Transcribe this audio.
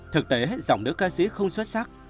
thực tế giọng nữ ca sĩ không xuất sắc